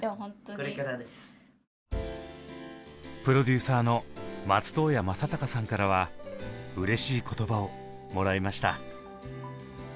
プロデューサーの松任谷正隆さんからはうれしい言葉をもらいました。